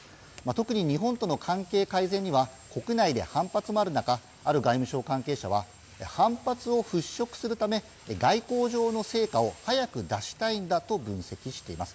特に日本との関係改善には国内で反発もある中ある外務省関係者は反発を払拭するため外交上の成果を早く出したいんだと分析しています。